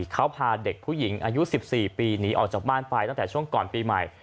เขาพาเด็กผู้หญิงอายุ๑๔ปีหนีออกจากบ้านไปตั้งแต่ช่วงก่อนปีใหม่